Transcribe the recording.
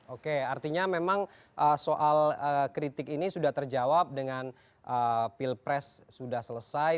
oke artinya memang soal kritik ini sudah terjawab dengan pilpres sudah selesai